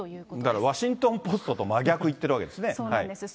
だからワシントン・ポストと真逆いってるわけですね。